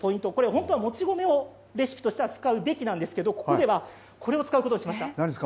本当は、もち米をレシピとしては使うべきなんですがここではこれを使うことにしました。